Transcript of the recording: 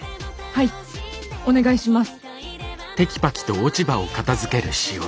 はいお願いします。